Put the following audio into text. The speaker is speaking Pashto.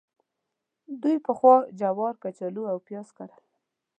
دوی پخوا جوار، کچالو او پیاز کرل.